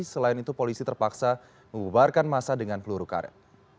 selain itu polisi terpaksa membubarkan masa dengan peluru karet